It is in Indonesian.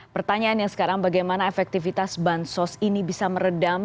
pertanyaan yang sekarang bagaimana efektivitas bansos ini bisa meredam